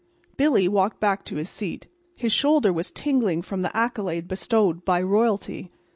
Billy walked back to his seat. His shoulder was tingling from the accolade bestowed by royalty.